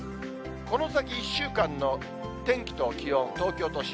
この先１週間の天気と気温、東京都心。